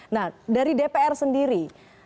nah dari dpr sendiri